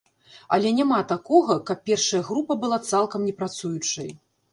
Але няма такога, каб першая група была цалкам не працуючай.